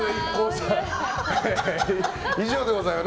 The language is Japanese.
さん以上でございます。